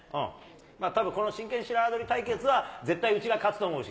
たぶんこの真剣白刃取り対決は、絶対うちが勝つと思うし。